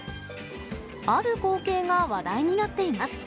ある光景が話題になっています。